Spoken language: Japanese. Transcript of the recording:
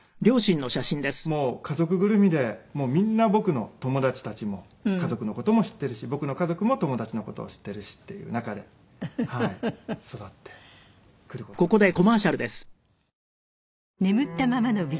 だからもう家族ぐるみでみんな僕の友達たちも家族の事も知ってるし僕の家族も友達の事を知ってるしっていう中で育ってくる事ができました。